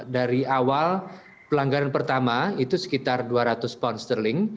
dari awal pelanggaran pertama itu sekitar dua ratus pound sterling